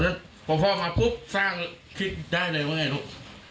โอ้โหตอนนั้นพ่อมาปุ๊บสร้างคิดได้เลยว่าไงลูก